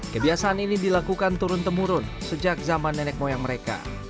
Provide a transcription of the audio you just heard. kebiasaan ini dilakukan turun temurun sejak zaman nenek moyang mereka